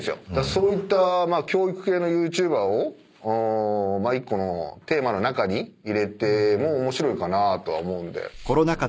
そういった教育系のＹｏｕＴｕｂｅｒを１個のテーマの中に入れても面白いかなとは思うんで。